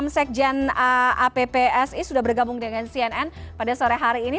sekjen appsi sudah bergabung dengan cnn pada sore hari ini